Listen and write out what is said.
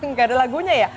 gak ada lagunya ya